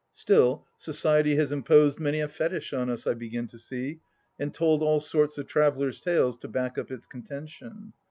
Still, Society has imposed many a fetish on us, I begin to see, and told all sorts of traveller's tales to back up its contention.